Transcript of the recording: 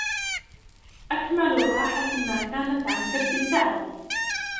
أَكْمَلُ الرَّاحَةِ مَا كَانَتْ عَنْ كَدِّ التَّعَبِ